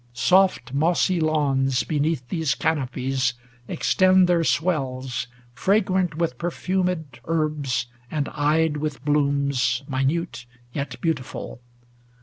Soft mossy lawns Beneath these canopies extend their swells, Fragrant with perfumed herbs, and eyed with blooms 450 Minute yet beautiful.